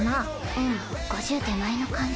うん５０手前の感じ。